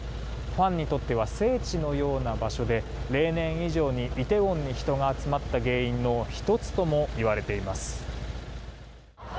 ファンにとっては聖地のような場所で例年以上に、イテウォンに人が集まった原因の１つともいわれています。